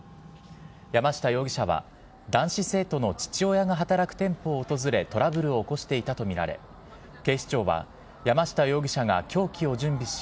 山下容疑者は男子生徒の父親が働く店舗を訪れトラブルを起こしていたとみられ警視庁は山下容疑者が凶器を準備し